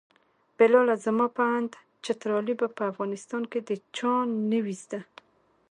بلاله زما په اند چترالي به په افغانستان کې د چا نه وي زده.